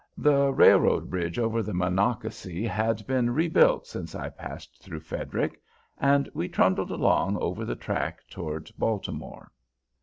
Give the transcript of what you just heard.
The railroad bridge over the Monocacy had been rebuilt since I passed through Frederick, and we trundled along over the track toward Baltimore.